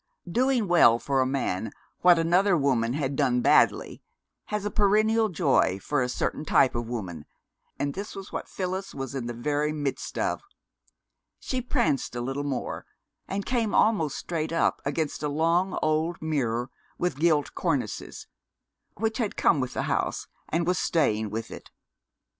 Doing well for a man what another woman has done badly has a perennial joy for a certain type of woman, and this was what Phyllis was in the very midst of. She pranced a little more, and came almost straight up against a long old mirror with gilt cornices, which had come with the house and was staying with it.